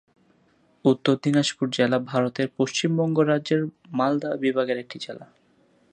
উত্তর দিনাজপুর জেলা ভারতের পশ্চিমবঙ্গ রাজ্যের মালদা বিভাগের একটি জেলা।